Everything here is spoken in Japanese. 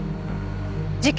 事件